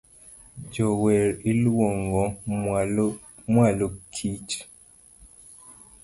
Jower iluongo mwalo kicho